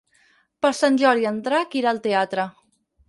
Per Sant Jordi en Drac irà al teatre.